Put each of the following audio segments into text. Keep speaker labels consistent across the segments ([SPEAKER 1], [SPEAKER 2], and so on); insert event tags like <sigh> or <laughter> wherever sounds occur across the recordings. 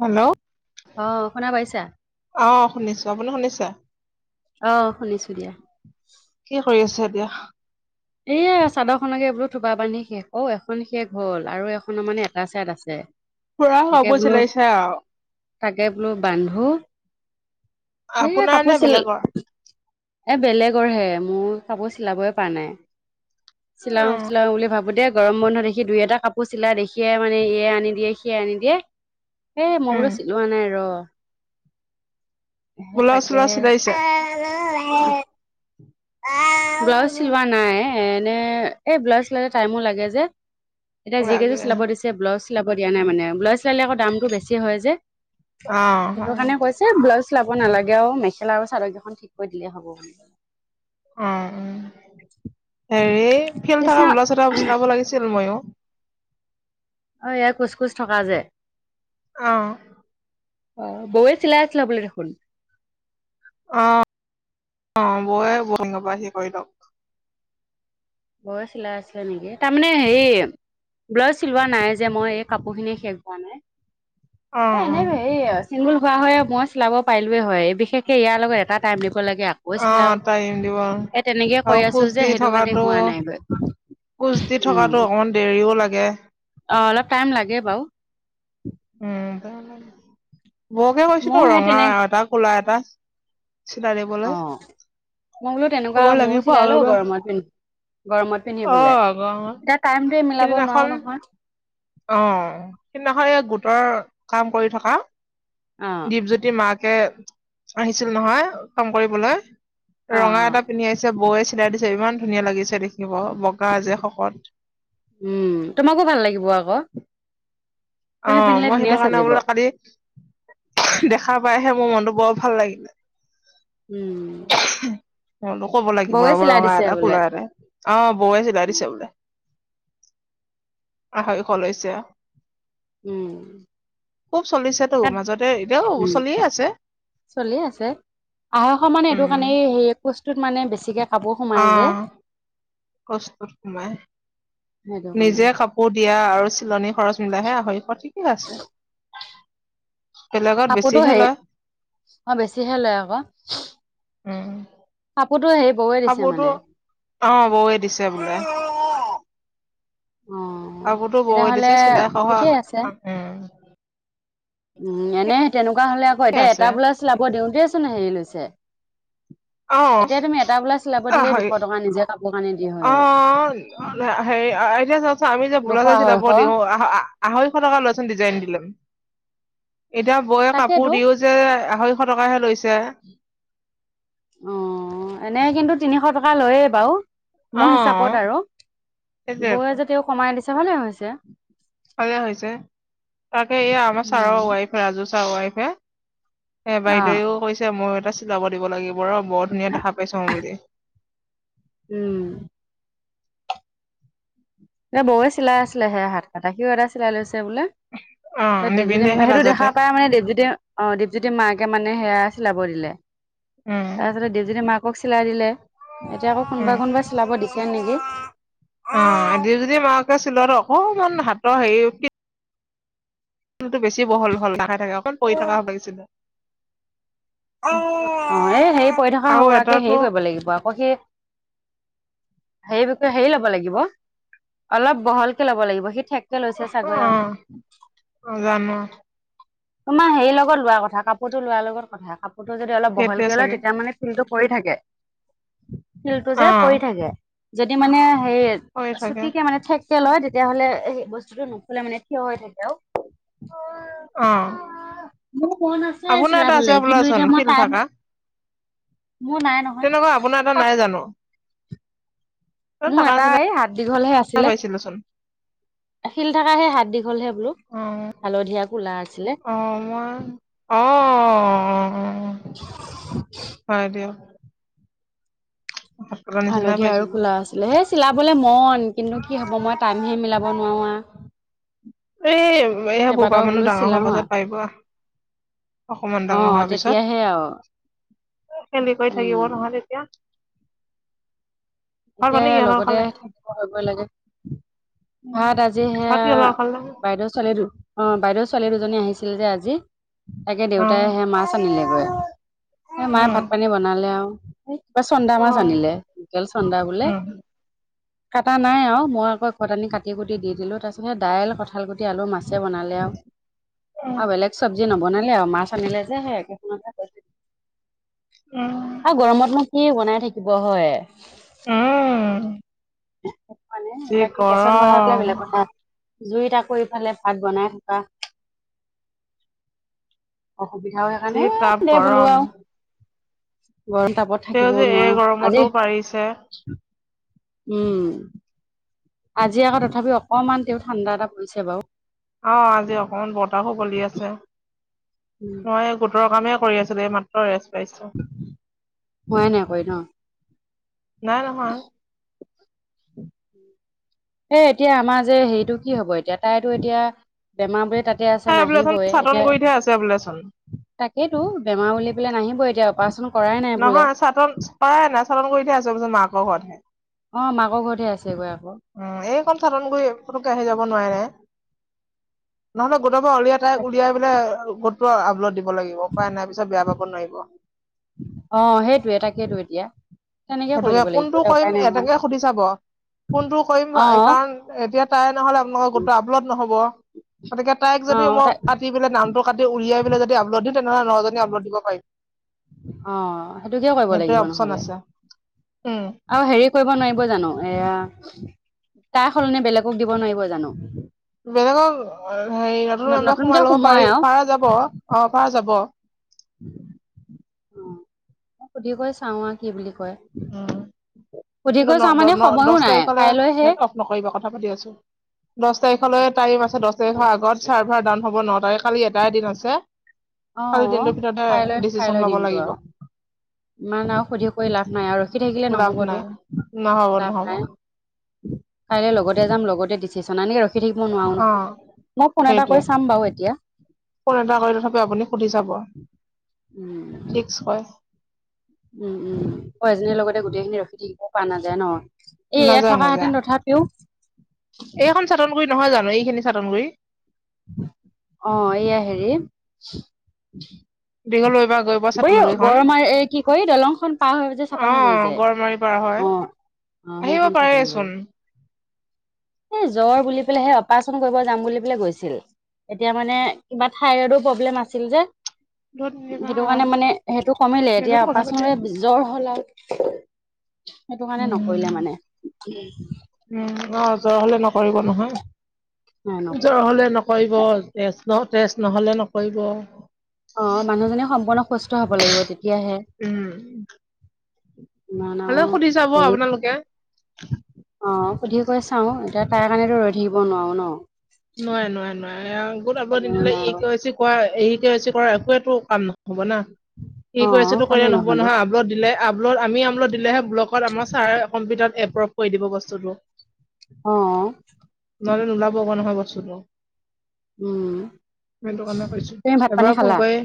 [SPEAKER 1] Hello
[SPEAKER 2] অ', শুনা পাইছা?
[SPEAKER 1] অ শুনিছো আপুনি শুনিছে?
[SPEAKER 2] আহ শুনিছো দিয়া
[SPEAKER 1] কি কৰি আছে এতিয়া
[SPEAKER 2] এইয়া চাদৰখনকে বোলো থোপা বান্ধি শেষ অ এখন শেষ হ'ল আৰু এখনৰ মানে এটা চাইদ আছে
[SPEAKER 1] পুৰা
[SPEAKER 2] তাকে
[SPEAKER 1] কাপোৰ
[SPEAKER 2] বোলো
[SPEAKER 1] চিলাইছে আৰু
[SPEAKER 2] তাকে বোলো বান্ধো এ
[SPEAKER 1] আপোনাৰ নে
[SPEAKER 2] কাপোৰছিল
[SPEAKER 1] বেলেগৰ
[SPEAKER 2] এ বেলেগৰ হে মোৰ কাপোৰ চিলাবয় প নাই চিলাও
[SPEAKER 1] উম
[SPEAKER 2] চিলাও বুলি ভাবো দে গৰম বন্ধ দেখি দুই এটা কাপোৰ চিলাই দেখিয়ে মানে এ আনি দিয়ে সিয় আনি দিয়ে এ মই
[SPEAKER 1] উম
[SPEAKER 2] বোলো চিলোৱা নাই ৰ হে
[SPEAKER 1] ব্লাউজ চ্লাউজ
[SPEAKER 2] তাকেহে
[SPEAKER 1] চিলাইছে
[SPEAKER 2] ব্লাউজ চিলোৱা নাই এনে এই ব্লাউজ চিলালে টাইমো লাগে যে এতিয়া যিিকেইযোৰ
[SPEAKER 1] লাগে
[SPEAKER 2] চিলাব দিছে ব্লাউজ চিলাব দিয়া নাই মানে ব্লাউ চিলালে আকৌ দামটো বেছি হয় যে
[SPEAKER 1] অ
[SPEAKER 2] সেইটোৰ
[SPEAKER 1] হয়
[SPEAKER 2] কাৰণে কৈছে ব্লাউজ চলাব নালাগে আৰু মেখেলা আৰু চাদকেইখন ঠিক কৰিৈ দিলেই হ'ব বুলি কলে
[SPEAKER 1] উ হেৰি ফিল্
[SPEAKER 2] কৃষ্ণ
[SPEAKER 1] থকা বোলা চ চিনাব লাগিছিল ময়ো
[SPEAKER 2] অ ', এয়াই কোচ কোচ থকা যে
[SPEAKER 1] অ',
[SPEAKER 2] অ'ন বৌয়ে চিলাই আছিল ল বুলিল দেখোন
[SPEAKER 1] অ', বৌয়ে বসিংহৰ পৰা সি কৰি লক
[SPEAKER 2] বয় চিলাই আছিলে নেকি তাৰমানে হে ব্লাউজ চিলোৱা নাই যে মই এই কাপোৰখিনি শেষ হোৱা নাই
[SPEAKER 1] অ
[SPEAKER 2] এ
[SPEAKER 1] অ
[SPEAKER 2] এনে চিংগুল হোৱা হয় মই চিলাব পাৰিলোে হয় বিশেষকে ইয়াৰ লগত এটা টাইম দিব লাগে আকৌ
[SPEAKER 1] অ
[SPEAKER 2] চিলাও
[SPEAKER 1] টাইম দিব
[SPEAKER 2] এ তেনেকে
[SPEAKER 1] আৰু
[SPEAKER 2] কৈ আছো যে সেইটো কাৰণে হোৱা নাই গৈ
[SPEAKER 1] কোজ দি থকাতো অকণমান দেৰিও লাগে
[SPEAKER 2] অ', লপ টাইম লাগে বাৰু
[SPEAKER 1] উম, বৰকে
[SPEAKER 2] ময়ো
[SPEAKER 1] কৈছিলো
[SPEAKER 2] সেই
[SPEAKER 1] ৰঙা
[SPEAKER 2] তেনে
[SPEAKER 1] এটা, কলা এটা। চিলাই দিবলৈ।
[SPEAKER 2] অ মই বোলো তেনেকুৱা ময়ো চিলাই লও, গৰমত পিন্ধি গৰমত
[SPEAKER 1] অ
[SPEAKER 2] পিন্ধিবলে, এতিয়া টাইমটোয়ে মিলাব
[SPEAKER 1] সেইদিনাখন
[SPEAKER 2] নোৱাৰো নহয়।
[SPEAKER 1] অ', এ, নহয় এই গোটৰ কাম কৰি থকা।
[SPEAKER 2] অ
[SPEAKER 1] দীপজ্যোতি মাকে আহিছিল নহয়, কাম কৰিবলৈ।
[SPEAKER 2] অ
[SPEAKER 1] ৰঙা এটা পিন্ধি আহিছে, বৌৱেচি চিলাই দিছে ইমান ধুনীয়া লাগিছে দেখিব, বগা যে শকত।
[SPEAKER 2] উ। তোমাকো ভাল লাগিব আক'।
[SPEAKER 1] অ', মই সেইটো কাৰণে বোলো কালি, দেখা পাইহে মোৰ মনটো বৰ ভাল লাগিলে।
[SPEAKER 2] উ।
[SPEAKER 1] <unintelligible> ক'ব লাগিব ৰব, ৰঙা এটা,
[SPEAKER 2] বোলে
[SPEAKER 1] কোলা এটাই। অ', বৌৱে চিলাই দিছে বোলে। আঢ়ৈশ হৈছে।
[SPEAKER 2] উ।
[SPEAKER 1] চলিছেটো, মাজতে এতিয়াও চলিয়ে আছে।
[SPEAKER 2] চলিয়ে আছে। আ়ঢ়ৈশ মানে এইটো
[SPEAKER 1] উম
[SPEAKER 2] কাৰণে, এই হে কোচটোত মানে বেছিকে কাপোৰ সোমাই যে
[SPEAKER 1] অ'। কোচতোত সোমায়।
[SPEAKER 2] সেইটো কাৰণে
[SPEAKER 1] নিজে কাপোৰ দিয়া আৰু চিলনি খৰচ মিলাইহে আঢ়ৈশ, ঠিকে আছে।
[SPEAKER 2] <inaudible>
[SPEAKER 1] বেলেগত
[SPEAKER 2] কাপোৰতো
[SPEAKER 1] বেছিহে
[SPEAKER 2] হে,
[SPEAKER 1] লয়
[SPEAKER 2] অ', বেছিহে লয় আক'।
[SPEAKER 1] উ।
[SPEAKER 2] দিছে
[SPEAKER 1] কাপোৰতো,
[SPEAKER 2] মানে
[SPEAKER 1] অ', বৌৱে দিছে বোলে।
[SPEAKER 2] অ
[SPEAKER 1] কাপোৰতো বৌৱে
[SPEAKER 2] তেতিয়াহ'লে
[SPEAKER 1] দিছে, চিলাই সহ।
[SPEAKER 2] ঠিকেই
[SPEAKER 1] উ।
[SPEAKER 2] উ, এনেই তেনেকুৱা হ'লে আকৌ,
[SPEAKER 1] ঠিকে
[SPEAKER 2] এতিয়া
[SPEAKER 1] আছে
[SPEAKER 2] এটা ব্লাউজ চিলাব দিওঁতেইচোন হেৰি লৈছে।
[SPEAKER 1] অ
[SPEAKER 2] এতিয়া তুমি এটা ব্লাউজ চিলাব দিলেই দুশ
[SPEAKER 1] হয়
[SPEAKER 2] টকা, নিজে কাপ
[SPEAKER 1] অ', হেৰি এতিয়া চকচোন আমি যে
[SPEAKER 2] দুশ
[SPEAKER 1] <unintelligible> যে চিলাব
[SPEAKER 2] আঢ়ৈশ
[SPEAKER 1] দিওঁ, আহ আ আঢ়ৈশ টকা লয়চোন ডিজাইন দি লৈ। এতিয়া বৌৱে
[SPEAKER 2] তাকেতো
[SPEAKER 1] কাপোৰ দিও যে আ আঢ়ৈশ টকাহে লৈছে।
[SPEAKER 2] অ', এনেই কিন্তু তিনিশ টকা লৈয়ে বাৰু।
[SPEAKER 1] অ
[SPEAKER 2] মোৰ হিচাপত আৰু।
[SPEAKER 1] সেইটোৱেতো
[SPEAKER 2] বৌয়ে যদিও কমাই দিছে ভালেই হৈছে।
[SPEAKER 1] ভালেই হৈছে, তাতে এই আমাৰ
[SPEAKER 2] উম
[SPEAKER 1] ছাৰৰ ৱাইফ, ৰাজু ছাৰ ৱাইফে সেই
[SPEAKER 2] অ
[SPEAKER 1] বাইদেৱেও কৈছে, ময়ো এটা চিলাব দিব লাগিব ৰ, বৰ ধুনীয়া দেখা পাইছোং বুলি।
[SPEAKER 2] উ। এ, বৌয়ে চিলাই আছিলে সেই হাত কটা, সিও এটা চিলাই লৈছে। বোলে,
[SPEAKER 1] অ
[SPEAKER 2] দীপজ্যোতি
[SPEAKER 1] নিপিন্ধেহে
[SPEAKER 2] সেইটো দেখা
[SPEAKER 1] লাজতে
[SPEAKER 2] পায় মানে দীপজ্যোতি অ', দীপজ্যোতি মাক কে মানে সেয়া চিলাব দিলে,
[SPEAKER 1] উম
[SPEAKER 2] তাৰপিছতে দীপজ্যোতি মাকক চিলাই দিলে। এতিয়া আকৌ কোনোবাই
[SPEAKER 1] উম
[SPEAKER 2] কোনোবাই চিলাব দিছে নিকি!
[SPEAKER 1] অ', দীপজ্যোতি মাকে চিলোৱাতো অকমান হাতৰ হেৰি, ফিট টো বেছি বহল হ'ল। <unintelligible> থাকে। অকণ পৰি থকা হ'ব লাগিছিল।
[SPEAKER 2] <unintelligible> এই হেৰি পৰি থকা
[SPEAKER 1] আৰু
[SPEAKER 2] হোৱাকে হেৰি
[SPEAKER 1] এটাতো
[SPEAKER 2] কৰিব লাগিব আকৌ সেই সেইটোত হেৰি ল'ব লাগিব। অলপ বহলকে ল'ব লাগিব, সি ঠেক
[SPEAKER 1] অ', জানো।
[SPEAKER 2] তোমাৰ হেৰি লগত লোৱা কথা, কাপোৰটো লোৱাৰ লগত কথা, কাপোৰটো যদি অলপ
[SPEAKER 1] সেইটোৱে
[SPEAKER 2] বহলকে লয়,
[SPEAKER 1] চাগে
[SPEAKER 2] তেতিয়া মানে ফুলটো পৰি থাকে। ফিল্ডটো
[SPEAKER 1] অ
[SPEAKER 2] যে পৰি থাকে, যদি মানে হেৰি
[SPEAKER 1] হৈ থাকে
[SPEAKER 2] চুটিকে মানে ঠেককে লয় তেতিয়াহলে সেই বস্তুটো নুফুলে মানে থিয় হৈ থাকে আৰু। অ'।
[SPEAKER 1] অ
[SPEAKER 2] মোৰ মন আছে
[SPEAKER 1] আপোনাৰ এটা আছে
[SPEAKER 2] চিলাবলে, কিন্তু
[SPEAKER 1] বোলাচোন
[SPEAKER 2] এতিয়া মই
[SPEAKER 1] ফিল
[SPEAKER 2] টাইম
[SPEAKER 1] থাকা
[SPEAKER 2] মোৰ নাই নহয়।
[SPEAKER 1] তেনেকুৱা আপোনাৰ এটা নাই জানো?
[SPEAKER 2] মোৰ
[SPEAKER 1] থাকা
[SPEAKER 2] এটা
[SPEAKER 1] নিচিনা
[SPEAKER 2] এই হাত দীঘলহে আছিলে।
[SPEAKER 1] পাইছিলোচোন
[SPEAKER 2] শিল থকা সে হাত দি
[SPEAKER 1] অ,
[SPEAKER 2] আছিলে।
[SPEAKER 1] অ, মই অ, অ অ অ, হয় দিয়ক। থকা নিচিনা
[SPEAKER 2] হালধীয়া আৰু
[SPEAKER 1] পাইছিলো
[SPEAKER 2] ক'লা আছিলে, হেই চিলাবলে মন কিন্তু কি হ'ব মই টাইমহে মিলাব নোৱাৰো আৰু।
[SPEAKER 1] এই, এই বপা মানুহ ডাঙৰ হোৱাৰ
[SPEAKER 2] চিলাও আ,
[SPEAKER 1] পাছত পাৰিব। অকমান ডাঙৰ
[SPEAKER 2] অ'
[SPEAKER 1] হোৱা
[SPEAKER 2] তেতিয়াহে আৰু
[SPEAKER 1] পিছত। খেলি কৰি
[SPEAKER 2] উম।
[SPEAKER 1] থাকিব নহয় তেতিয়া। ভাত
[SPEAKER 2] এতিয়া
[SPEAKER 1] পানী কিহৰ লগত
[SPEAKER 2] লগতে
[SPEAKER 1] খালে
[SPEAKER 2] থাকিব কৰিব লাগে। ভাট আজি
[SPEAKER 1] ভাত
[SPEAKER 2] হেয়া
[SPEAKER 1] কিহৰ লগত খালে
[SPEAKER 2] বাইদেউৰ ছোৱালী দু, অহ, বাইদেউৰ ছোৱালী দুজনী আহিছিল যে আজি। তাকে
[SPEAKER 1] অ
[SPEAKER 2] দেউতাই হে মাছ আনিলেগৈ। এই মায়ে
[SPEAKER 1] উম
[SPEAKER 2] ভাত পানী বনালে আৰু। এই কিবা চন্দা মাছ
[SPEAKER 1] অ
[SPEAKER 2] আনিলে লোকেল চন্দা বোলে।
[SPEAKER 1] উম
[SPEAKER 2] কটা নাই আৰু মই আকৌ ঘৰত আনি কাটি কুটি দি দিলো, তাৰপিছত সেই দাইল কঁঠাল গুটি আলু মাছে বনালো। <unintelligible>
[SPEAKER 1] উম
[SPEAKER 2] আৰু বেলেগ চব্জি নবনালে আৰু, মাছ আনিলে যে সেই একে
[SPEAKER 1] উম
[SPEAKER 2] আৰু গৰমত নো কি বনাই থাকিব হয়?
[SPEAKER 1] উম।
[SPEAKER 2] মানে,
[SPEAKER 1] যি
[SPEAKER 2] বাকী গেছত হোৱা হলে
[SPEAKER 1] গৰম
[SPEAKER 2] বেলেগ কথা। জুইত আক' এইফালে ভাত বনাই থকা অসুবিধা হয়
[SPEAKER 1] যি
[SPEAKER 2] সেইকাৰণে
[SPEAKER 1] তাপ
[SPEAKER 2] দে বোলোঁ
[SPEAKER 1] গৰম
[SPEAKER 2] আৰু গৰম তাপত
[SPEAKER 1] তেওঁ
[SPEAKER 2] থাকিব
[SPEAKER 1] যে এই
[SPEAKER 2] নোৱাৰো
[SPEAKER 1] গৰমতো
[SPEAKER 2] আজি
[SPEAKER 1] পাৰিছে
[SPEAKER 2] উম, আজি আকৌ তথাপিও অকমান তেওঁ ঠাণ্ডা এটা পৰিছে বাৰু।
[SPEAKER 1] আহ, আজি অকমান বতাহো বলি আছে
[SPEAKER 2] উম,
[SPEAKER 1] মই গোটৰ কামে কৰি আছিলোঁ, এই মাত্ৰ পাইছো
[SPEAKER 2] <unintelligible>
[SPEAKER 1] নাই, নহয়।
[SPEAKER 2] এ, এতিয়া আমাৰ যে হেৰিতটো কি হ'ব এতিয়া তাইতো এতিয়া বেমাৰ বোৰে তাতে আছে
[SPEAKER 1] এই বোলেচোন
[SPEAKER 2] নাহিবই
[SPEAKER 1] চাটন
[SPEAKER 2] এতিয়া,
[SPEAKER 1] কৰি থোৱা আছে বোলেচোন
[SPEAKER 2] তাকেইতো বেমাৰ বুলি পেলাই নাহিবই <unintelligible> বোলে
[SPEAKER 1] নহয় চাটন কৰাই নাই <unintelligible> পিছত মাকৰ ঘৰতহে। অ,
[SPEAKER 2] অ মাকৰ ঘৰতহে আছেগৈ আকৌ
[SPEAKER 1] এই কন চাটন <unintelligible> <unintelligible> আহি যাব নোৱাৰে নে? নহলে গোটৰ পৰা উলিয়াই তাই উলিয়াই পেলাই <unintelligible> আপলোড দিব লাগিব উপায় নাই পিছত বেয়া পাব নোৱাৰিব।
[SPEAKER 2] অ, সেইটোয়ে তাকেইেতো এতিয়া। তেনেকে কৰি
[SPEAKER 1] সেইটোকে
[SPEAKER 2] দিব লাগিব
[SPEAKER 1] কোনটো
[SPEAKER 2] এতিয়া উপায়
[SPEAKER 1] কৰিম
[SPEAKER 2] নাই নহয়
[SPEAKER 1] এনেকে সুধি চাব কোনটো কৰিম
[SPEAKER 2] অ
[SPEAKER 1] কাৰণ এতিয়া তাই নহলে আপোনালোকৰ গোটটো আপলোড নহ'ব। গতিকে তাইক
[SPEAKER 2] অ
[SPEAKER 1] যদি মই
[SPEAKER 2] তাই
[SPEAKER 1] কাতি পেলাই নামটো কাটি উলিয়াই পেলাই যদি আপলোড দিম তেনেহ'লে নজনী আপলোড দিব পাৰিম।
[SPEAKER 2] অ, সেইটোকে কৰিব
[SPEAKER 1] সেইটোৱে
[SPEAKER 2] লাগিব
[SPEAKER 1] অপচন
[SPEAKER 2] নহলে।
[SPEAKER 1] আছে উম
[SPEAKER 2] আৰু হেৰি কৰিব নোৱাৰিব জানো এয়া তাৰ সলনি বেলেগক দিব নোৱাৰিব জানো?
[SPEAKER 1] বেলেগক হেৰি
[SPEAKER 2] ন
[SPEAKER 1] নতুন মেম্বাৰ
[SPEAKER 2] নতুনকে
[SPEAKER 1] সোমাই লব
[SPEAKER 2] সোমোৱাই
[SPEAKER 1] পাৰি
[SPEAKER 2] আৰু
[SPEAKER 1] পাৰা যাব অ', পাৰ যাব।
[SPEAKER 2] অ, সুধী কৈ চাও আৰু কি বুলি কয়।
[SPEAKER 1] উম,
[SPEAKER 2] সুধি
[SPEAKER 1] কিন্তু
[SPEAKER 2] কৈ চাওঁ মানে
[SPEAKER 1] <unintelligible>
[SPEAKER 2] সময়ো
[SPEAKER 1] দহ
[SPEAKER 2] নাই
[SPEAKER 1] তাৰিখলে
[SPEAKER 2] কাইলৈহে
[SPEAKER 1] নেত অফ নকৰিবা কথা পাতি আছোঁ। দহ তাৰিখলৈ টাইম আছে। দহ তাৰিখৰ আগত চাৰ্ভাৰ ডাউন হব ন তাৰিখ কালি এটাই এ দিন আছে।
[SPEAKER 2] অ
[SPEAKER 1] কালিৰ দিনটোৰ ভিতৰতে
[SPEAKER 2] কাইলৈ কাইলৈ
[SPEAKER 1] ডিচিচন ল'ব
[SPEAKER 2] দিনটো
[SPEAKER 1] লাগিব।
[SPEAKER 2] আৰু ইমান আৰু সুধি কৰি লাভ নাই, আৰু ৰখি থাকিলে
[SPEAKER 1] লাভ
[SPEAKER 2] নহবতো,
[SPEAKER 1] নাই নহ'ব
[SPEAKER 2] লাভ
[SPEAKER 1] নহ'ব
[SPEAKER 2] নাই।
[SPEAKER 1] অ
[SPEAKER 2] কাইলৈ লগতে যাম, লগতে ডিচিশন, এনেকে ৰখ খি থাকিব নোৱাৰো নহয়। মই ফোন এটা
[SPEAKER 1] সেইটোৱে
[SPEAKER 2] কৰি চাম বাৰু এতিয়া।
[SPEAKER 1] ফোন এটা কৰি তথাপি আপুনি সুধি চাব
[SPEAKER 2] উম।
[SPEAKER 1] ফিক্স হয়
[SPEAKER 2] উম, উম। <unintelligible> এজনীৰ লগতে গোটেই খিনি ৰখি থাকিব পৰা নাযায় ন। এ ইয়াাত
[SPEAKER 1] নাযায়
[SPEAKER 2] থকা
[SPEAKER 1] নাযায়
[SPEAKER 2] হেঁতেন তথাপিও
[SPEAKER 1] এইখন চাটন গুৰি নহয় জানো! এই খিনি চাটন গুৰি!
[SPEAKER 2] অঁ, এইয়া হেৰি
[SPEAKER 1] দীঘলৈবা গৈ পোৱা
[SPEAKER 2] এই
[SPEAKER 1] চাটনগুৰিখন
[SPEAKER 2] গৰমাৰ এ কি কয় দলংখন পাৰ হৈ যে
[SPEAKER 1] অ
[SPEAKER 2] চাটন গুৰি যে।
[SPEAKER 1] গড়মাৰি পাৰ হয়,
[SPEAKER 2] অ
[SPEAKER 1] আহিব পাৰেচোন।
[SPEAKER 2] এ জ্বৰ বুলি পেলাই সেই অপাৰেচন কৰিব যাম বুলি পেলাই গৈছ ছিল। এতিয়া মানে কিবা থাইৰইডো প্ৰব্লেম আছিল যে।
[SPEAKER 1] ধত নিবা
[SPEAKER 2] সেইটো
[SPEAKER 1] অ
[SPEAKER 2] কাৰণে মানে সেইটো কমিলে, এতিয়া
[SPEAKER 1] নেটত কথা পাতি
[SPEAKER 2] উপাৰচন
[SPEAKER 1] আছো
[SPEAKER 2] <unintelligible> জ্বৰ হ'ল আৰু। সেইটো কাৰণে নকৰিলে
[SPEAKER 1] উম
[SPEAKER 2] মানে।
[SPEAKER 1] উম অ', জ্বৰ হ'লে নকৰিব
[SPEAKER 2] নাই ন
[SPEAKER 1] নহয়। জ্বৰ হ'লে নকৰিব, তেজ <unintelligible> তেজ নহ'লে নকৰিব।
[SPEAKER 2] অহ, মানুহজনী সম্পূৰ্ণ সুস্থ হ'ব লাগিব, তেতিয়াহে। ইমান
[SPEAKER 1] হলেও
[SPEAKER 2] আও
[SPEAKER 1] সুধি চাব আপোনালোকে
[SPEAKER 2] <unintelligible> অঁ, সুধি কৈ চাও, এতিয়া তাৰে কাৰণেতো ৰৈ থাকিব নোৱাৰোঁ ন!
[SPEAKER 1] নোৱাৰে নোৱাৰে নোৱাৰে। আৰু গোট <unintelligible>
[SPEAKER 2] সময়ো
[SPEAKER 1] নিদিলে
[SPEAKER 2] নাই
[SPEAKER 1] ই
[SPEAKER 2] আৰু
[SPEAKER 1] <unintelligible> কৰা একুৱেটো কাম নহ হ'ব না! <unintelligible>
[SPEAKER 2] অ'
[SPEAKER 1] তো
[SPEAKER 2] কামেই
[SPEAKER 1] কৰিলে নহ'ব নহয়, আপলোড দিলে, আপলোড, আমি আপলোড দিলেহে ব্লকত আমাৰ ছাৰে কম্পিউটাৰত এপ্ৰভ কৰি দিব বস্তুতটো।
[SPEAKER 2] অঁ।
[SPEAKER 1] নহ'লে নোলাব আকৌ নহয় বস্তুটো।
[SPEAKER 2] উম।
[SPEAKER 1] সেইটো কাৰণে কৈছো।
[SPEAKER 2] তুমি ভাত পানী
[SPEAKER 1] এবাৰ ফোন
[SPEAKER 2] খালা
[SPEAKER 1] কৰি।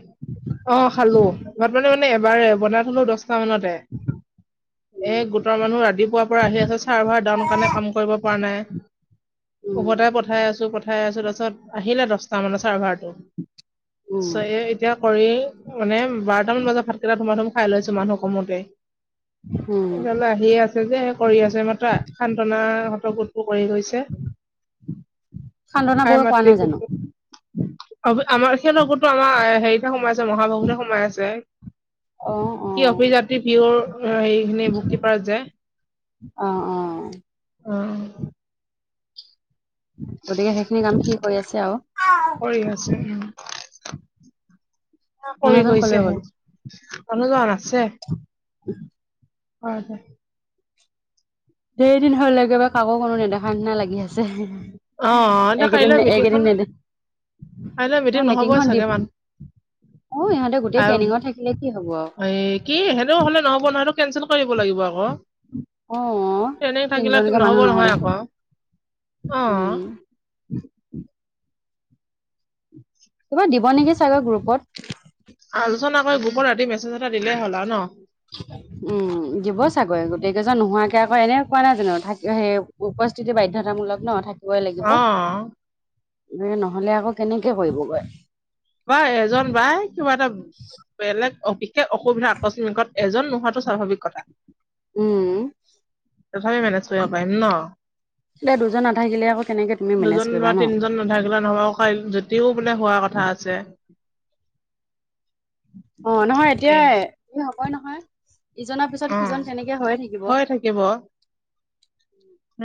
[SPEAKER 1] অঁ, খালো। <unintelligible> এবাৰে, বনাই থলো দহটা মানতে। এই গোটৰ মানুহ ৰাতিপুৱাৰ পৰা আহি আছে, চাৰ্ভাৰ ডাউন কাৰণে কাম কৰিব পৰা নাই।
[SPEAKER 2] উম
[SPEAKER 1] উভতাই পঠাই আছ পঠাই আছোঁ, তাৰপিছত আহিলে দহটা মানত চাৰ্ভাৰটো।
[SPEAKER 2] উম
[SPEAKER 1] চ এ এতিয়া কৰি মানে বাৰটা মান বজাত ভাতকেইটা ধুমা ধুম খাই লৈছো মানুহ কমূতেই।
[SPEAKER 2] উম
[SPEAKER 1] <unintelligible> আহিয়ে আছে যে, কৰি আছে। মাত্ৰ সান্তনা হঁতৰ গোটটো কৰি গৈছে।
[SPEAKER 2] সান্তনা
[SPEAKER 1] আই
[SPEAKER 2] ব'য়ে কৰা
[SPEAKER 1] মাতৃ
[SPEAKER 2] নাই জানো?
[SPEAKER 1] গোটটো আমাৰ সিহঁতৰ গোটটো আমাৰ হেৰিটা সোমাই <unintelligible> সোমাই আছে।
[SPEAKER 2] অ'
[SPEAKER 1] কি
[SPEAKER 2] অ'
[SPEAKER 1] অভিজাত্ৰী <unintelligible> হে খিনি বুক কিপাৰত যে।
[SPEAKER 2] অ' অ'
[SPEAKER 1] অঁ।
[SPEAKER 2] গতিকে সেইখিনি কাম সি কৰি আছে
[SPEAKER 1] কৰি আছে
[SPEAKER 2] আৰু।
[SPEAKER 1] উম <unintelligible> কৰি
[SPEAKER 2] মানুহজন কলৈ গ'ল
[SPEAKER 1] গৈছেহে। মানুহজন আছে।
[SPEAKER 2] <inaudible>
[SPEAKER 1] হয়, হয়।
[SPEAKER 2] ধেৰ দিন হ'ল, একেবাৰে কাকো কোনো নেদেখা নিচিনা লাগি আছে।
[SPEAKER 1] অঁ, এতিয়া
[SPEAKER 2] এইকেইদিন
[SPEAKER 1] কাইলৈ
[SPEAKER 2] এইকেইদিন
[SPEAKER 1] মিটিংখন।
[SPEAKER 2] নেদে
[SPEAKER 1] কাইলৈ মিটিং নহবই
[SPEAKER 2] মিটিংখন দিব
[SPEAKER 1] চাগে মান
[SPEAKER 2] অ ইহঁতে গোটেই ট্ৰেইনিঙত
[SPEAKER 1] <unintelligible>
[SPEAKER 2] থাকিলে কি হব আৰু
[SPEAKER 1] এই কি, সেনও হলে নহ'ব নহয়ত কেনচেল কৰিব লাগিব আকৌ।
[SPEAKER 2] অহ,
[SPEAKER 1] ট্ৰেইনিং থাকিলে
[SPEAKER 2] তিনিজনিকে
[SPEAKER 1] নহ'ব
[SPEAKER 2] মানুহ নহয়
[SPEAKER 1] আকৌ অ
[SPEAKER 2] উম। কিবা দিব নেকি চাগে গ্ৰুপত।
[SPEAKER 1] চোন আক গ্ৰুপত ৰাতি মেছেজ এটা দিলেই হ'লা ন?
[SPEAKER 2] উম, দিব চাগৈ। গোটেই কেইজন নোহোৱাকে আকৌ এনে কোৱা নাই <unintelligible> সেই উপস্থিতি বাধ্যতামূলক ন' থাক
[SPEAKER 1] অ'।
[SPEAKER 2] এ নহ'লে আকৌ কেনেকে কৰিবগৈ।
[SPEAKER 1] বাই এজন বাই কিবা এটা বেলেগ বিশেষ অসুবিধা আকস্মিকত এজন নোহোৱাটো স্বাভাৱিক কথা।
[SPEAKER 2] উম।
[SPEAKER 1] তথাপি মেনেজ কৰিব পাৰিম ন'।
[SPEAKER 2] দে দুজন নাথাকিলে আকৌ কেনেকে তুমি মেনেজ
[SPEAKER 1] দুজন
[SPEAKER 2] কৰিবা
[SPEAKER 1] বা
[SPEAKER 2] ন
[SPEAKER 1] তিনজন নাথাকিলে নহ'ব <unintelligible> যতিও মানে হোৱা কথা আছ <unintelligible>
[SPEAKER 2] অ' নহয় এতিয়াই হ'বয়ে নহয়। ইজনৰ পিছত
[SPEAKER 1] অ
[SPEAKER 2] সিজন তেনেকে হৈয়ে থাকিব।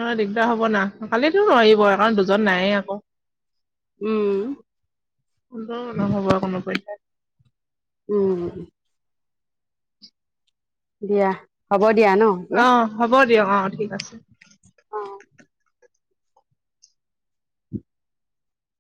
[SPEAKER 1] অ' দিগদাৰ হ'ব না, <unintelligible> নোৱাৰিব কাৰণ দুজন নাইয়ে আকৌ।
[SPEAKER 2] উম
[SPEAKER 1] <unintelligible>
[SPEAKER 2] উম। দিয়া হ'ব দিয়া ন' দিয়া এতিয়া।
[SPEAKER 1] অ হ'ব দিয়ক অ' ঠিক আছে।
[SPEAKER 2] অ'।